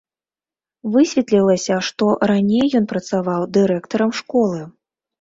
Высветлілася, што раней ён працаваў дырэктарам школы.